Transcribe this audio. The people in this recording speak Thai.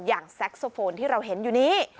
อย่างแซคโซโฟนที่เราเห็นอยู่นี้